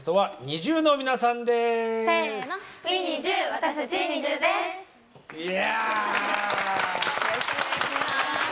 はい。